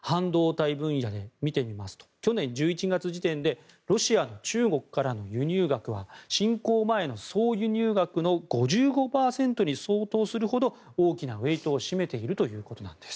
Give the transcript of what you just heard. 半導体分野を見てみますと去年１１月時点でロシアの中国からの輸入額は侵攻前の総輸入額の５５％に相当するほど大きなウェートを占めているということなんです。